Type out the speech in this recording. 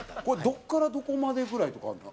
これどこからどこまでぐらいとか。